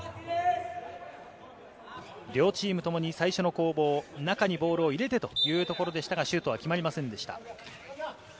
両チームともに最初の攻防、中にボールを入れてというところでしたが、シュートは決まりませんでした。